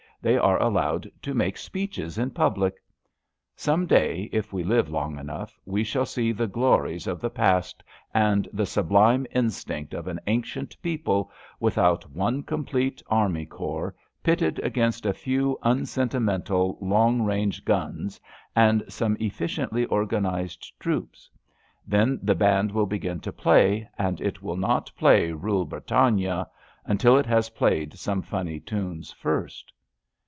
They are allowed to make speeches in public. Some day, if we live long enough, we shall see the glories of the past and the *' sublime instinct of an ancient people '' without one complete army corps, pitted against a few unsentimental long range guns and some efficiently organised troops. Then the band will begin to play, and it will not play Rule Britannia until it has played some funny tunes first.